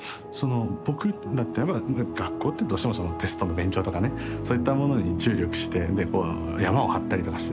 僕らって学校ってどうしてもテストの勉強とかねそういったものに注力してでこうヤマを張ったりとかして。